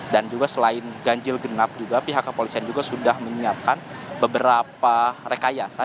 dan juga selain ganjil genap juga pihak kepolisian juga sudah menyiapkan beberapa rekayasa